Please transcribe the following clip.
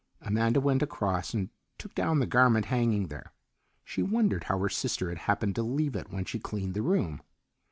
Amanda went across and took down the garment hanging there. She wondered how her sister had happened to leave it when she cleaned the room.